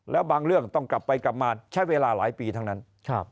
แล้วบางเรื่องต้องกลับไปกลับมาใช้เวลาหลายปีทั้งนั้น